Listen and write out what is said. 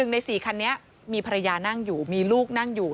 ใน๔คันนี้มีภรรยานั่งอยู่มีลูกนั่งอยู่